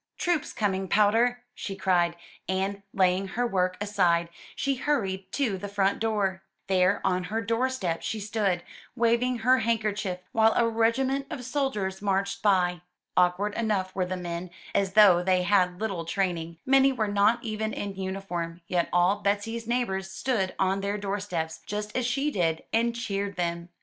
'Troops coming, Powder!'' she cried, and, laying her work aside, she hurried to the front door. There, on her doorstep, she stood, waving her handkerchief while a regiment of soldiers marched by. Awkward enough were the men, as though they had had little training; many were not even in uniform; yet all Betsy's neighbors stood on their doorsteps, just as she did, and cheered them.